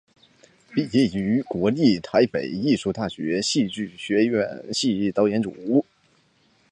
毕业于国立台北艺术大学戏剧学系导演组。